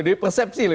ini persepsi loh